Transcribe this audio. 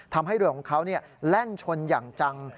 ทำให้เรือของเขาแล่นชนอย่างจัง